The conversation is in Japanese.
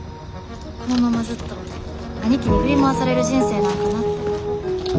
このままずっと兄貴に振り回される人生なんかなって。